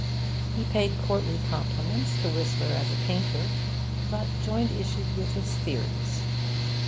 He paid courtly compliments to Whistler as a painter, but joined issue with his theories.